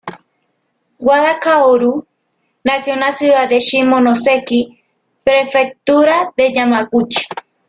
Wada Kaoru nació en la ciudad de Shimonoseki, Prefectura de Yamaguchi.